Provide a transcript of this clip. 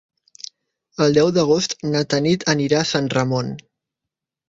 El deu d'agost na Tanit anirà a Sant Ramon.